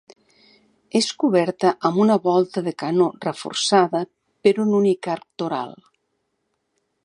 És coberta amb una volta de canó reforçada per un únic arc toral.